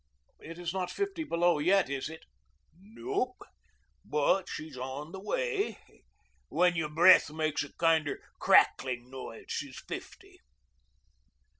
"It is not fifty below yet, is it?" "Nope. But she's on the way. When your breath makes a kinder crackling noise she's fifty."